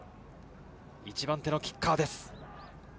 一番手のキッカーです。